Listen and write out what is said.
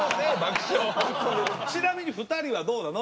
ちなみに２人はどうなの？